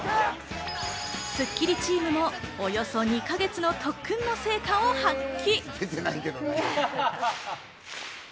スッキリチームもおよそ２か月の特訓の成果を発揮。